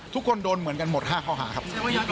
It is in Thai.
ทุกคนโดนเหมือนกันหมด๕ข้อหาครับ